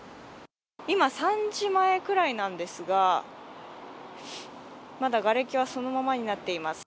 今、３時前ぐらいなんですが、まだがれきはそのままになっています。